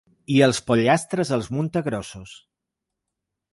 I els pollastres els munta grossos.